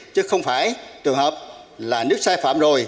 chứ không phải trường hợp là nếu sai phạm rồi